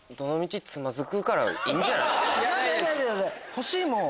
欲しいもん！